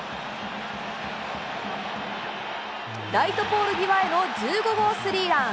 ライトポール際への１５号スリーラン。